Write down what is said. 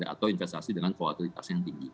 atau investasi dengan volatilitas yang tinggi